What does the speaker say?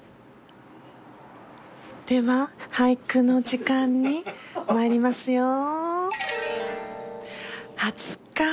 では俳句の時間に参りますよー。